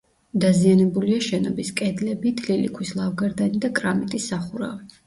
დაზიანებულია შენობის კედლები, თლილი ქვის ლავგარდანი და კრამიტის სახურავი.